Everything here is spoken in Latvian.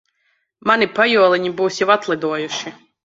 Mani pajoliņi būs jau atlidojuši.